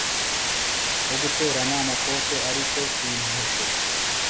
wo guterana amakofe ariko simpushe